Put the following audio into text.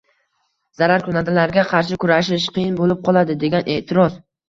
zararkunandalarga qarshi kurashish qiyin bo‘lib qoladi, degan e’tiroz.